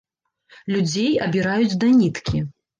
Людзей абіраюць да ніткі.